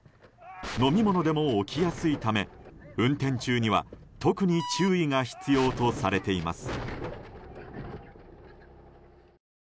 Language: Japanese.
飲み物でも起きやすいため運転中には特に注意が必要とされています。